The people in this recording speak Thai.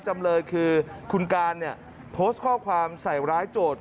จำเลยคือคุณการเนี่ยโพสต์ข้อความใส่ร้ายโจทย์